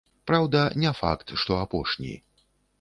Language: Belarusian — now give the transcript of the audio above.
Праўда, не факт, што апошні.